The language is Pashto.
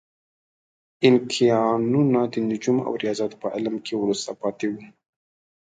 اینکایانو د نجوم او ریاضیاتو په علم کې وروسته پاتې وو.